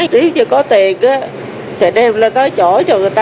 nếu chưa có tiền thì đem lên tới chỗ cho người ta